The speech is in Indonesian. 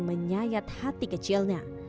menyayat hati kecilnya